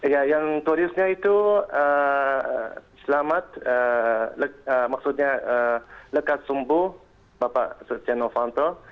ya yang tulisnya itu selamat maksudnya lekas sembuh bapak setia novanto